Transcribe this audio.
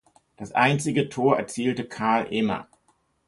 Das einzige Tor erzielte Karl Ehmer.